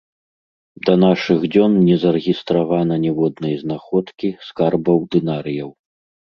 Да нашых дзён не зарэгістравана ніводнай знаходкі скарбаў дынарыяў.